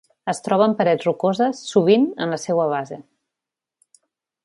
Es troba en parets rocoses, sovint en la seua base.